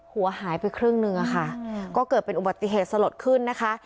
หัวหายไปครึ่งหนึ่งอะค่ะก็เกิดเป็นอุบัติเหตุสลดขึ้นนะคะ